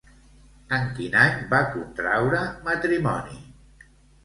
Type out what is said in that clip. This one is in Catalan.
En quin any va contraure matrimoni?